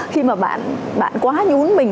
khi mà bạn quá nhún mình